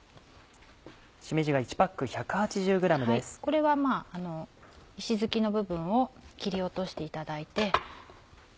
これは石突きの部分を切り落としていただいて。